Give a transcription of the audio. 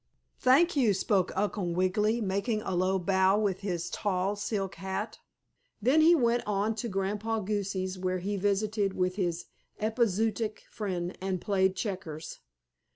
"Thank you," spoke Uncle Wiggily, making a low bow with his tall silk hat. Then he went on to Grandpa Goosey's where he visited with his epizootic friend and played checkers.